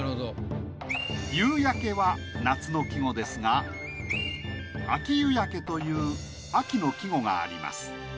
「夕焼」は夏の季語ですが「秋夕焼」という秋の季語があります。